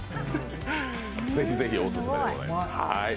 ぜひぜひオススメでございます。